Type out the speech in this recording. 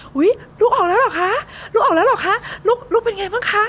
ลูกออกแล้วเหรอคะลูกออกแล้วเหรอคะลูกเป็นไงบ้างคะ